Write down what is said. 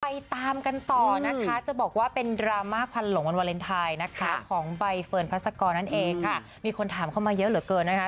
ตามกันต่อนะคะจะบอกว่าเป็นดราม่าควันหลงวันวาเลนไทยนะคะของใบเฟิร์นพัศกรนั่นเองค่ะมีคนถามเข้ามาเยอะเหลือเกินนะคะ